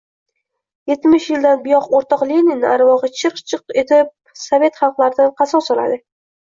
Yetmish yildan buyon o‘rtoq Leninni arvohi chirq-chirq etib... sovet xalqlaridan qasos oladi!